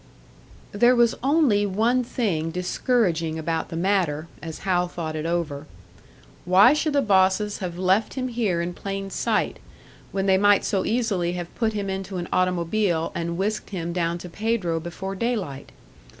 There was only one thing discouraging about the matter, as Hal thought it over. Why should the bosses have left him here in plain sight, when they might so easily have put him into an automobile, and whisked him down to Pedro before daylight?